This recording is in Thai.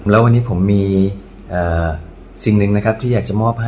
แล้ววันนี้ผมมีสิ่งหนึ่งนะครับเป็นตัวแทนกำลังใจจากผมเล็กน้อยครับ